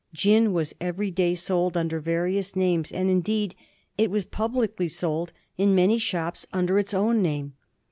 Gin was every day sold under various names, and, indeed, it was publicly sold in many shops under its own name.